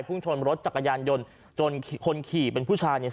ชนรถจักรยานยนต์จนคนขี่เป็นผู้ชายเนี่ย